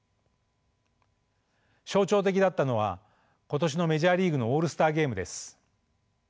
象徴的だったのは今年のメジャーリーグのオールスターゲームです。